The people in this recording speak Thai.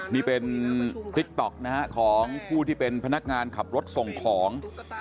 นี่เป็นติ๊กต๊อกนะฮะของผู้ที่เป็นพนักงานขับรถส่งของ